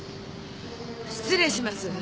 失礼します！